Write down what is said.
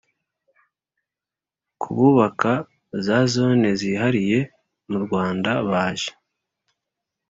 ku bubaka za Zone zihariye murwanda baje